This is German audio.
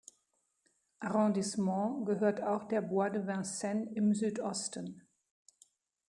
Arrondissement gehört auch der Bois de Vincennes im Südosten.